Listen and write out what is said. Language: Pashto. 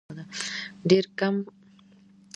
ډېر کم شمېر خلکو له لیک لوست سره اشنايي درلوده.